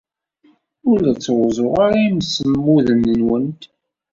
Ur la ttruẓuɣ ara imsemmuden-nwent.